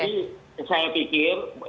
jadi saya pikir